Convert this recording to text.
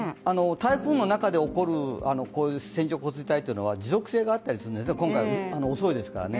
台風の中で起こるこういう線状降水帯っていうのは持続性があったりするんですね、今回遅いですからね。